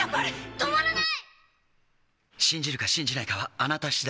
止まらない！